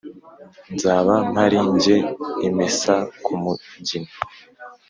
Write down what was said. Nzaba mpari jye imesa ku mugina,